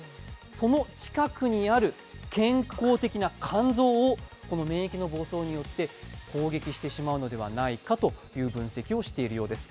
その近くにある健康的な肝臓をこの免疫の暴走によって攻撃してしまうのではないかという分析をしているようです。